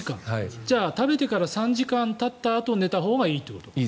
じゃあ食べてから３時間たったあと寝たほうがいいということですか。